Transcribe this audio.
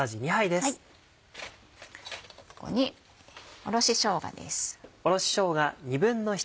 ここにおろししょうがです。